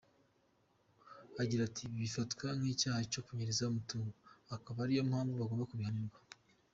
Agira ati “Ibi bifatwa nk’icyaha cyo kunyereza umutungo, akaba ariyo mpamvu bagomba kubihanirwa.